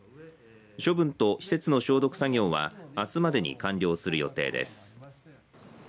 処分と施設の消毒作業はあすまでに完了する予定です。